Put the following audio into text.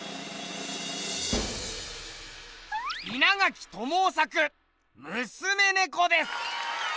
稲垣知雄作「娘猫」です。